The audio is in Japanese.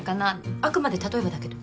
あくまで例えばだけど。